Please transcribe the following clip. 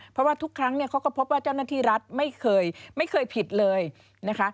เพราะว่าทุกครั้งเนี่ยเขาก็พบว่าเจ้าหน้าที่รัฐไม่เคยไม่เคยผิดเลยนะคะ